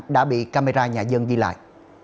đã bị camera nhà dân ghi lại